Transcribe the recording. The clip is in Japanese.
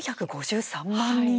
４５３万人。